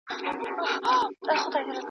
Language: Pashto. بې پوهي ژوند تياره کوي